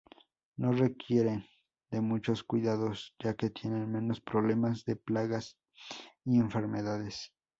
No requieren de muchos cuidados ya que tienen menos problemas de plagas y enfermedades.